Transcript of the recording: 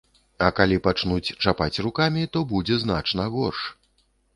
А калі пачнуць чапаць рукамі, то будзе значна горш.